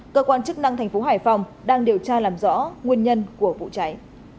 cơ quan chức năng tp hải phòng đang điều tra làm rõ nguyên nhân của vụ cháy